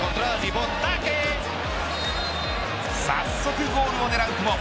早速ゴールを狙う久保。